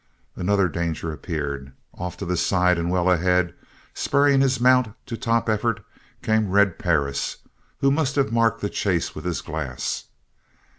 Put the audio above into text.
Another danger appeared. Off to the side and well ahead, spurring his mount to top effort, came Red Perris, who must have marked the chase with his glass.